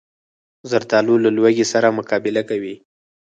زردالو له لوږې سره مقابله کوي.